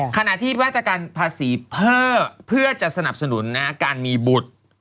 ขณะที่มาตรการภาษีเพิ่มเพื่อจะสนับสนุนการมีบุตร